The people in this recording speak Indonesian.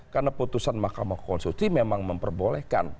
karena putusan mahkamah konsulsi memang memperbolehkan